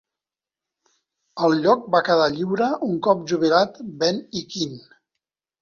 El lloc va quedar lliure un cop jubilat Ben Ikin.